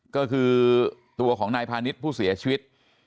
ก็คือตัวของนายพาณิชย์ผู้เสียชีวิต